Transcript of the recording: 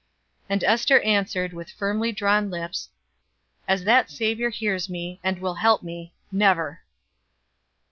And Ester answered, with firmly drawn lips "As that Savior hears me, and will help me never!"